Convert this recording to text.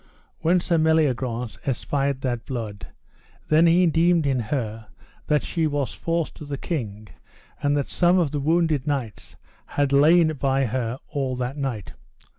When Sir Meliagrance espied that blood, then he deemed in her that she was false to the king, and that some of the wounded knights had lain by her all that night.